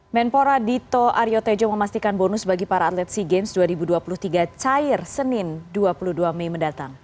menpora dito aryo tejo memastikan bonus bagi para atlet sea games dua ribu dua puluh tiga cair senin dua puluh dua mei mendatang